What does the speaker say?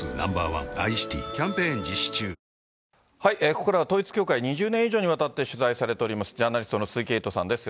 これ、ここからは統一教会２０年以上にわたって取材されております、ジャーナリストの鈴木エイトさんです。